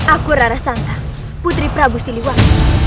aku rara santa putri prabu siliwang